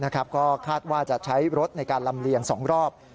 ก็คาดว่าจะใช้รถในการลำเลียง๒รอบ